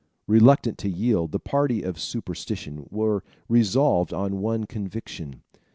Reluctant to yield, the party of superstition were resolved on one conviction.